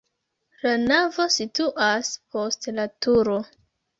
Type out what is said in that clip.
La navo situas post la turo.